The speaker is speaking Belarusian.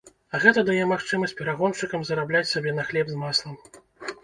А гэта дае магчымасць перагоншчыкам зарабляць сабе на хлеб з маслам.